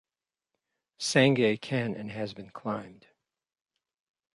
Sangay can and has been climbed.